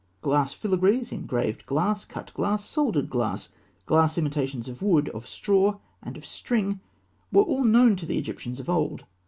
Glass filigrees, engraved glass, cut glass, soldered glass, glass imitations of wood, of straw, and of string, were all known to the Egyptians of old.